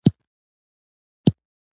تاسو څنګه خپل وخت تیروئ؟